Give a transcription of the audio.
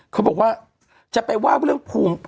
เขาบอกว่าจะไปว่าเรื่องภูมิ